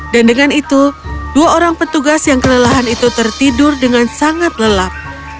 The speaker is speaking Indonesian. dan dengan itu dua orang petugas yang kelelahan itu tertidur dengan sangat lelap